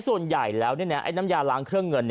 ส่วนใหญ่แล้วน้ำยาล้างเครื่องเงิน